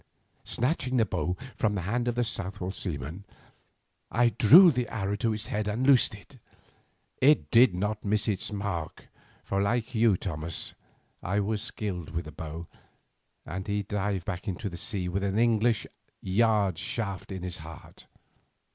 Snatching the bow from the hand of the Southwold seaman, I drew the arrow to its head and loosed. It did not miss its mark, for like you, Thomas, I was skilled with the bow, and he dived back into the sea with an English yard shaft in his heart.